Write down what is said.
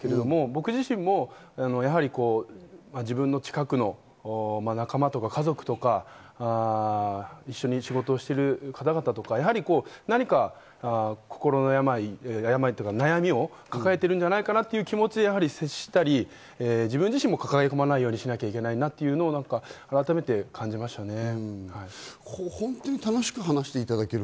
僕自身もやはり自分の近くの仲間とか家族とか一緒に仕事をしている方々とか、何か心の病というか悩みを抱えているんじゃないかという気持ちで接したり、自分自身も抱え込まないようにしないとなと改めて感じましたね。